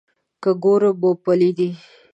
که ګورم مومپلي دي.